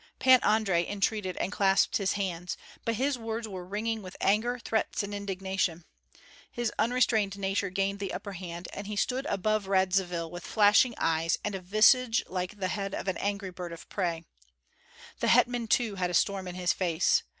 Pan Andrei entreated and clasped his hands, but his words were ringing with anger, threats, and indignation. His unrestrained nature gained the upper hand, and he stood above Radzivill with flashing eyes and a visage like the head of an angry bird of prey. The hetman too had a storm in his face.